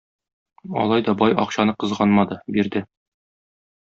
Алай да бай акчаны кызганмады, бирде.